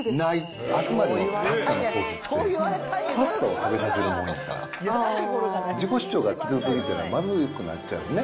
あくまでもパスタソースって、パスタを食べさせるものだから、自己主張が強すぎると、まずくなっちゃうのね。